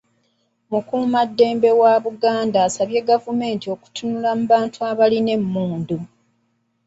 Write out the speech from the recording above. Mukuumaddamula wa Buganda asabye gavumenti okutunula mu bantu abalina emmundu.